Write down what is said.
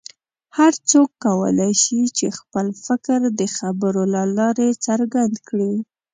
هر څوک کولی شي چې خپل فکر د خبرو له لارې څرګند کړي.